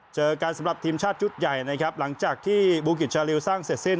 เจอกันสำหรับทีมชาติชุดใหญ่นะครับหลังจากที่บูกิจชาลิวสร้างเสร็จสิ้น